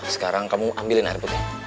sekarang kamu ambilin air putih